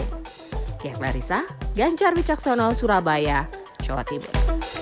yang terakhir ganjar wicaksono surabaya jawa tibel